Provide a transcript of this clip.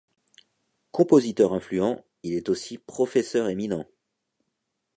Compositeur influent il est aussi professeur éminent.